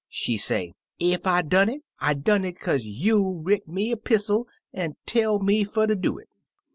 She say, * Ef I done it, I done it kaze you writ me a 'pistle an' tell me fer ter do it.'